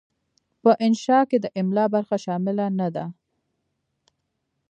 په انشأ کې د املاء برخه شامله نه ده.